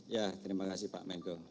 ya terima kasih pak menko